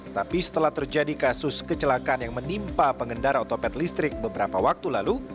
tapi setelah terjadi kasus kecelakaan yang menimpa pengendara otopet listrik beberapa waktu lalu